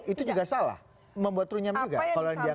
itu juga salah membuat runyam juga kalau dianggap benar